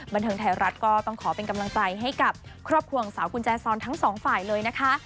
บันเทิงไทยรัฐก็ต้องขอเป็นกำลังใจให้กับครอบครัวของสาวกุญแจซอนทั้งสองฝ่ายเลยนะคะ